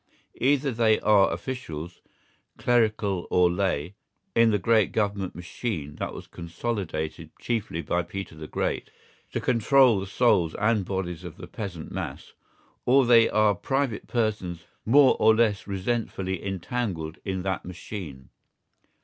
Either they are officials, clerical or lay, in the great government machine that was consolidated chiefly by Peter the Great to control the souls and bodies of the peasant mass, or they are private persons more or less resentfully entangled in that machine.